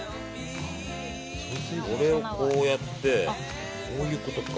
これをこうやってこういうことか。